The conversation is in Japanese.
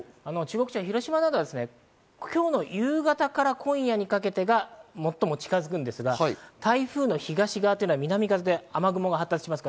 広島などは、今日の夕方など、今夜にかけてが最も近づくんですが、台風の東側というのは南風で雨雲が発達します。